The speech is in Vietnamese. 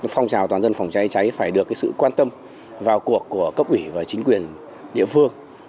phong trào toàn dân phòng cháy cháy phải được sự quan tâm vào cuộc của cấp ủy và chính quyền địa phương